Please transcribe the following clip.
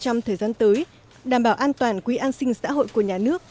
trong thời gian tới đảm bảo an toàn quỹ an sinh xã hội của nhà nước